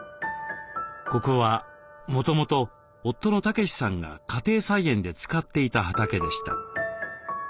ここはもともと夫の武士さんが家庭菜園で使っていた畑でした。